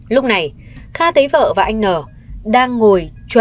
lúc này kha thấy vợ và anh n đang ngồi chuẩn